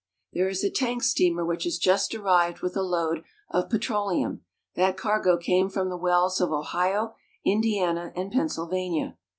There is a tank steamer which has just arrived with a load of petroleum. That cargo came from the wells of Ohio, Indiana, and Pennsylvania.